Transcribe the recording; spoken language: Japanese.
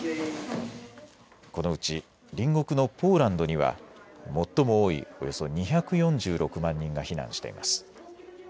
このうち隣国のポーランドには最も多いおよそ２４６万人が避難しています。